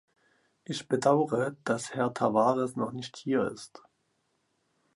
Ich bedaure, dass Herr Tavares noch nicht hier ist.